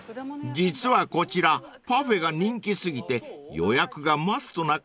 ［実はこちらパフェが人気過ぎて予約がマストな果物屋さん］